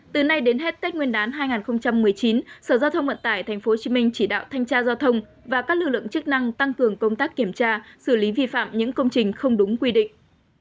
từ nay đến hết tết nguyên đán hai nghìn một mươi chín sở giao thông vận tải tp hcm chỉ đạo thanh tra giao thông và các lực lượng chức năng tăng cường công tác kiểm tra xử lý vi phạm những công trình không đúng quy định